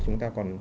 chúng ta còn